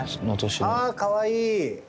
あぁかわいい！